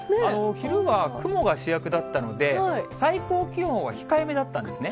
昼は雲が主役だったので、最高気温は控えめだったんですね。